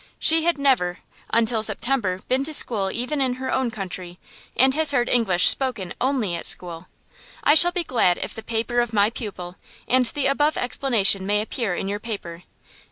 She had never, until September, been to school even in her own country and has heard English spoken only at school. I shall be glad if the paper of my pupil and the above explanation may appear in your paper.